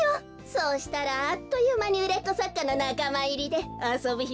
そうしたらあっというまにうれっこさっかのなかまいりであそぶひまもなくなるわね。